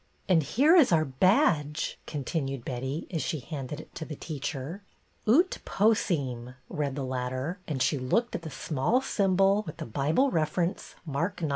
" And here is our badge !" continued Betty, as she handed it to the teacher. " Ut Possim," read the latter ; and she looked at the small symbol with the Bible reference, Mark ix.